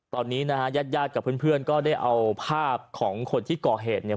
ตอนนี้นะฮะญาติญาติกับเพื่อนก็ได้เอาภาพของคนที่ก่อเหตุเนี่ย